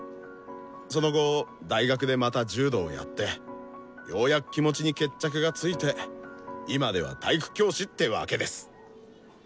その後大学でまた柔道やってようやく気持ちに決着がついて今では体育教師ってわけです！